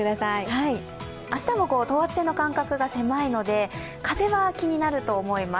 明日も等圧線の間隔が狭いので、風が気になると思います。